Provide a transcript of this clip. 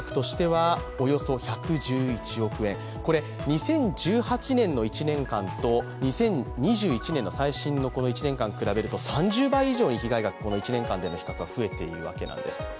２０１８年の１年間と２０２１年の最新の１年間を比べると３０倍以上に被害が、この１年間での比較で増えているわけです。